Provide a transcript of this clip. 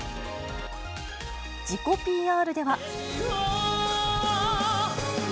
自己ＰＲでは。